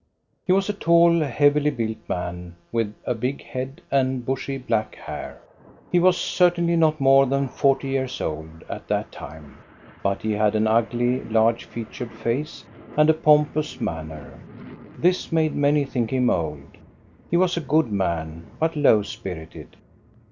He was a tall, heavily built man, with a big head and bushy, black hair. He was certainly not more than forty years old at that time, biit he had an ugly, large featured face and a pompous manner. This made many think him old. He was a good man, but low spirited.